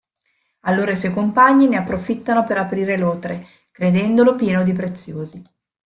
Allora i suoi compagni ne approfittano per aprire l’otre, credendolo pieno di preziosi.